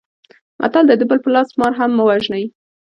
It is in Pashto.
متل دی: د بل په لاس مار هم مه وژنئ.